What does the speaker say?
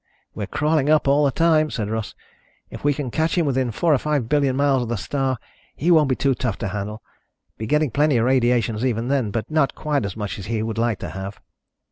"We're crawling up all the time," said Russ. "If we can catch him within four or five billion miles of the star, he won't be too tough to handle. Be getting plenty of radiations even then, but not quite as much as he would like to have."